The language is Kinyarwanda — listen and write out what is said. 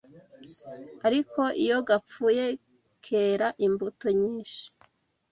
ariko iyo gapfuye, kera imbuto nyinshi